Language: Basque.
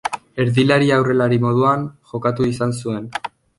Erdilari-aurrelari moduan jokatu izan zuen.